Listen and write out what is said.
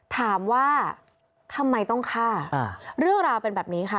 ถามว่าทำไมต้องฆ่าเรื่องราวเป็นแบบนี้ค่ะ